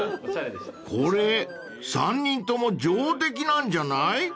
［これ３人とも上出来なんじゃない？］